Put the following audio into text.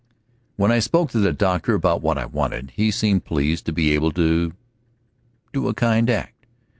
When I spoke to the doctor about what I wanted, he seemed pleased to be able to do a kind act.